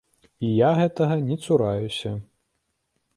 І я гэтага не цураюся.